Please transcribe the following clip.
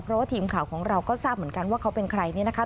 เพราะว่าทีมข่าวของเราก็ทราบเหมือนกันว่าเขาเป็นใครเนี่ยนะคะ